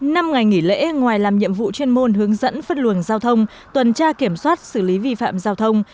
năm ngày nghỉ lễ ngoài làm nhiệm vụ chuyên môn hướng dẫn phân luồng giao thông tuần tra kiểm soát xử lý vi phạm giao thông